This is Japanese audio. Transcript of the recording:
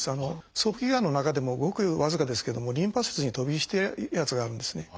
早期がんの中でもごく僅かですけどもリンパ節に飛び火してるやつがあるんですね。